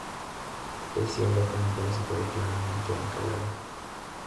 Pecíolo con la cara superior claramente acanalado.